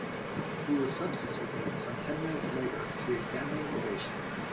He was substituted some ten minutes later to a standing ovation.